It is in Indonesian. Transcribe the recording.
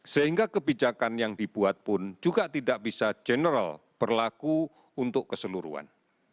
sehingga kebijakan yang dibuat pun juga tidak bisa general berlaku untuk keseluruhan